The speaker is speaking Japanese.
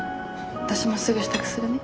私もすぐ支度するね。